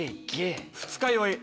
二日酔い。